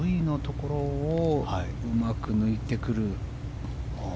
あのＶのところをうまく抜いてくる。